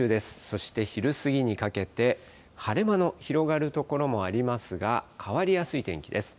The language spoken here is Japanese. そして昼過ぎにかけて、晴れ間の広がる所もありますが、変わりやすい天気です。